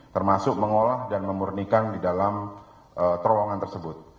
termasuk mengolah dan memurnikan di dalam terowongan tersebut